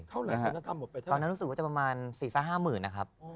เท่าไหร่คุณทำหมดไปเท่าไหร่ตอนนั้นรู้สึกว่าจะประมาณ๔๕หมื่นนะครับ